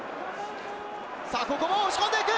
さあ、ここも押し込んでいく。